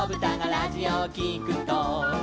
「ラジオをきくと」